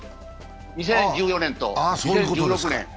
２０１４年と２０１６年。